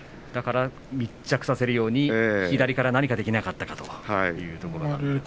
密着させるように左から何かできなかったかということですね。